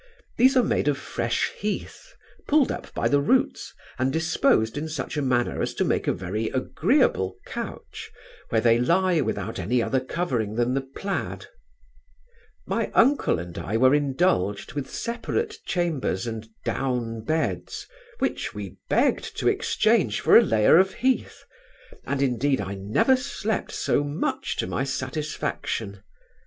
These are made of fresh heath, pulled up by the roots, and disposed in such a manner as to make a very agreeable couch, where they lie, without any other covering than the plaid My uncle and I were indulged with separate chambers and down beds which we begged to exchange for a layer of heath; and indeed I never slept so much to my satisfaction.